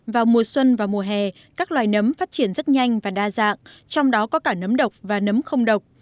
vào mùa xuân và mùa hè các loài nấm phát triển rất nhanh và đa dạng trong đó có cả nấm độc và nấm không độc